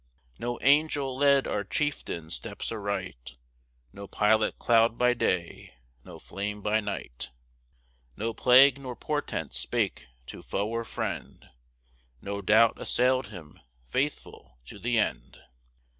No angel led our Chieftain's steps aright; No pilot cloud by day, no flame by night; No plague nor portent spake to foe or friend; No doubt assailed him, faithful to the end.